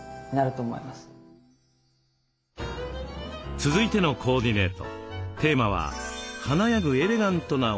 続いてのコーディネート。